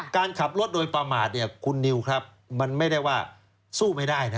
การขับรถโดยประมาทเนี่ยคุณนิวครับมันไม่ได้ว่าสู้ไม่ได้นะ